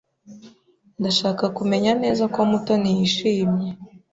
Ndashaka kumenya neza ko Mutoni yishimye.